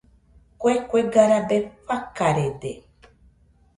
Kue kuega rabe rafarede.